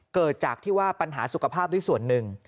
เกิดจากที่ว่าปัญหาสุขภาพด้วยส่วนหนึ่ง